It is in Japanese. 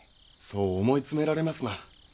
そう思い詰められますな。